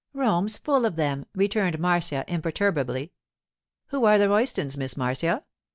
'Rome's full of them,' returned Marcia imperturbably. 'Who are the Roystons, Miss Marcia?